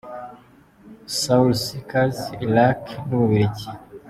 Soul Seekers - Iraq n’u Bubiligi.